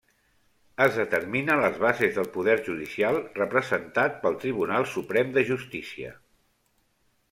Es determina les bases del Poder Judicial representat pel Tribunal Suprem de Justícia.